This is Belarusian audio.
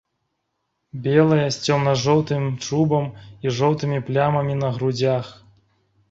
Белая, з цёмна-жоўтым чубам і жоўтымі плямамі на грудзях.